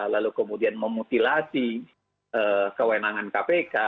lalu kemudian memutilasi kewenangan kpk